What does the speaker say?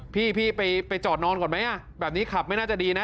พี่ไปจอดนอนก่อนไหมแบบนี้ขับไม่น่าจะดีนะ